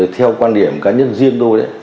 theo quan điểm cá nhân